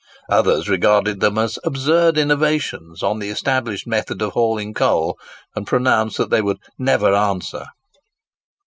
Others regarded them as absurd innovations on the established method of hauling coal; and pronounced that they would "never answer."